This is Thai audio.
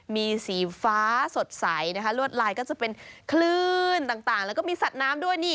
มีสีฟ้าสดใสนะคะลวดลายก็จะเป็นคลื่นต่างแล้วก็มีสัตว์น้ำด้วยนี่